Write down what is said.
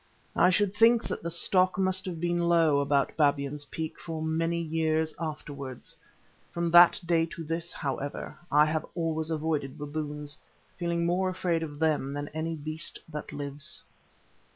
I should think that the stock must have been low about Babyan's Peak for many years afterwards. From that day to this, however, I have always avoided baboons, feeling more afraid of them than any beast that lives.